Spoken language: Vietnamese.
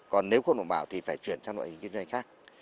còn nếu không đủ bảo thì phải chuyển sang loại hình kinh doanh khác